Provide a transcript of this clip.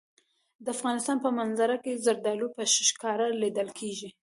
د افغانستان په منظره کې زردالو په ښکاره لیدل کېږي.